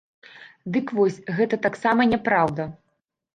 Дык вось, гэта таксама няпраўда.